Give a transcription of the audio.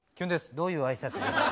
どういう挨拶ですか？